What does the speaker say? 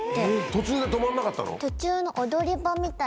途中で止まんなかったの？